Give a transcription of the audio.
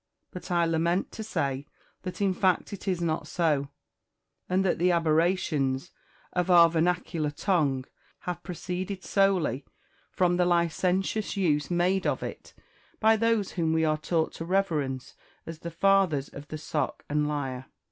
But I lament to say that in fact it is not so; and that the aberrations of our vernacular tongue have proceeded solely from the licentious use made of it by those whom we are taught to reverence as the fathers of the Sock and Lyre."